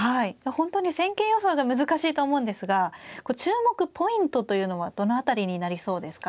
本当に戦型予想が難しいと思うんですが注目ポイントというのはどの辺りになりそうですか。